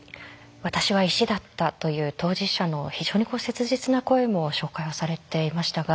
私は石だったという当事者の非常に切実な声も紹介をされていましたが。